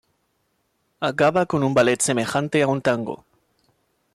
Acaba con un ballet semejante a un tango.